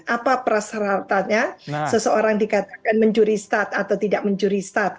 apa perseratannya seseorang dikatakan menjuri stat atau tidak menjuri stat